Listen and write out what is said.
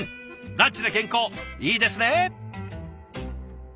ランチで健康いいですね。